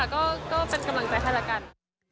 ก็โอเคค่ะก็เป็นกำลังใจให้แล้วกัน